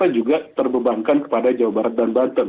juga terbebankan kepada jawa barat dan banten